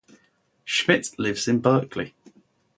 Schmitt lives in Berkeley.